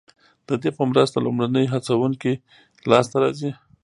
ددې په مرسته لومړني هڅوونکي لاسته راځي.